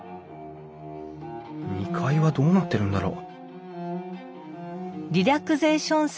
２階はどうなってるんだろう？